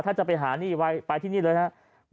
ถ้าจะไปหานี่ไปที่นี่เลยนะครับ